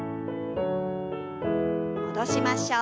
戻しましょう。